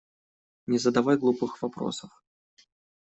Не задавай глупых вопросов!